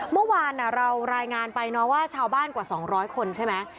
เมื่อวานเรารายงานไปเนาะว่าชาวบ้านกว่า๒๐๐คนใช่ไหม